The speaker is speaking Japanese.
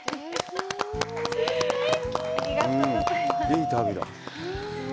いい旅だ。